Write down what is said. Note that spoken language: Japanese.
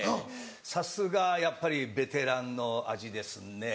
さすがやっぱりベテランの味ですね。